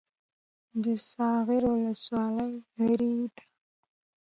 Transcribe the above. د ساغر ولسوالۍ لیرې ده